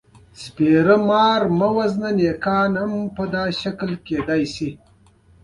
آیا دا د هر انسان هیله نه ده؟